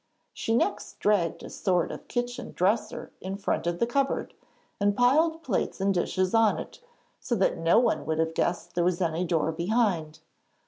She next dragged a sort of kitchen dresser in front of the cupboard and piled plates and dishes on it, so that no one would have guessed there was any door behind.